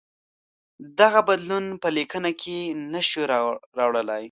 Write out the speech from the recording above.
دغه بدلون په لیکنه کې نه شو راوړلای.